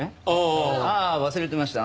ああ忘れてました。